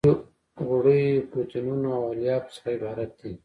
غوړیو پروتینونو او الیافو څخه عبارت دي.